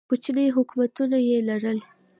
کوچني حکومتونه یې لرل